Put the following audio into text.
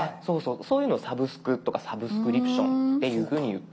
そういうのをサブスクとかサブスクリプションっていうふうに言っています。